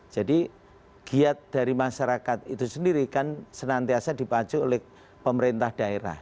jadi giat dari masyarakat itu sendiri kan senantiasa dipacu oleh pemerintah daerah